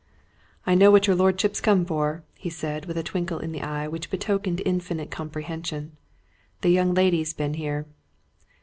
"I know what your lordship's come for!" he said, with a twinkle of the eye which betokened infinite comprehension. "The young lady's been here."